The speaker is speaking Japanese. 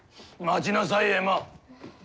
待ちなさいエマ。